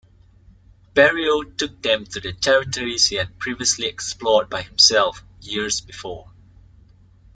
Berrio took them to the territories he had previously explored by himself years before.